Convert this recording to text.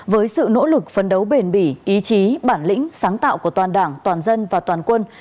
với sự nỗ lực phấn đấu bền bỉ ý chí bản lĩnh sáng tạo của toàn đảng toàn dân và toàn quân